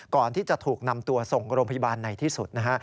ก่อนที่จะถูกนำตัวส่งโรงพยาบาลในที่สุดนะฮะ